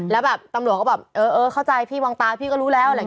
แล้วตำรวจก็แบบเออเข้าใจพี่มองตาพี่ก็รู้แล้ว